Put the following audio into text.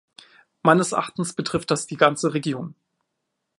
Meines Erachtens betrifft das die ganze Region.